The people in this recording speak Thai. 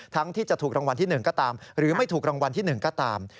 ที่จะถูกรางวัลที่๑ก็ตามหรือไม่ถูกรางวัลที่๑ก็ตาม